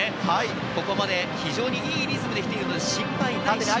ここまで非常にいいリズムで来ているので心配ない。